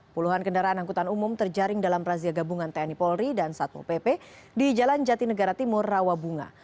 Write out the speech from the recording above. puluhan kendaraan angkutan umum terjaring dalam razia gabungan tni polri dan satmo pp di jalan jati negara timur rawabunga